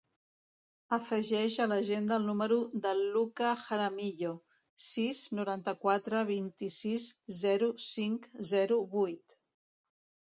Afegeix a l'agenda el número del Lucca Jaramillo: sis, noranta-quatre, vint-i-sis, zero, cinc, zero, vuit.